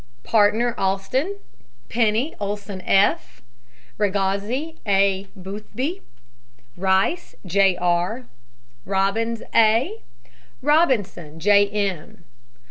PARTNER, AUSTIN. PENNY, OLSEN F. POGGI, . RAGOZZI, A. BOOTHBY. RICE, J. R. ROBINS, A. ROBINSON, J. M.